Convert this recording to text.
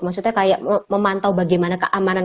maksudnya kayak memantau bagaimana keamanan